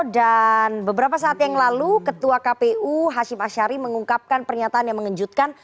dan beberapa saat yang lalu ketua kpu hashim ashari mengungkapkan pernyataan yang mengejutkan